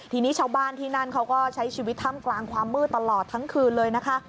ทีนี้ชาวบ้านที่นั่นเขาก็ใช้ชีวิตถ้ำกลางความมืดตลอดทั้งคืนเลยนะคะ